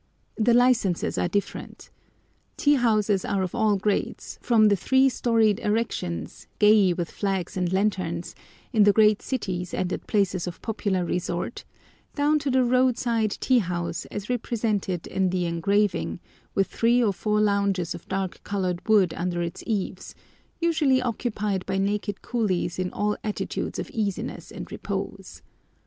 The licenses are different. Tea houses are of all grades, from the three storied erections, gay with flags and lanterns, in the great cities and at places of popular resort, down to the road side tea house, as represented in the engraving, with three or four lounges of dark coloured wood under its eaves, usually occupied by naked coolies in all attitudes of easiness and repose.